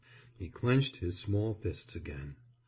He clenched his small fists again.